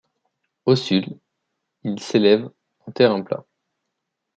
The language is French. Au sud, il s'élève en terrain plat.